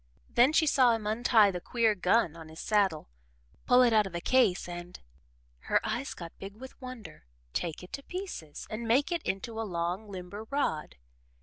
Then she saw him untie the queer "gun" on his saddle, pull it out of a case and her eyes got big with wonder take it to pieces and make it into a long limber rod.